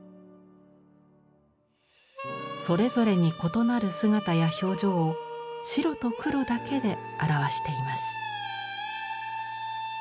それぞれに異なる姿や表情を白と黒だけで表しています。